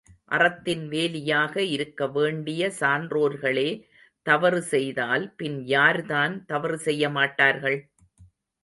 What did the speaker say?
அறத்தின் வேலியாக இருக்க வேண்டிய சான்றோர்களே தவறு செய்தால் பின் யார் தான் தவறு செய்ய மாட்டார்கள்?